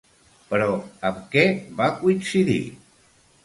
Però, amb què va coincidir?